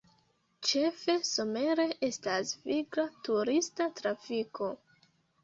Ĉefe somere estas vigla turista trafiko.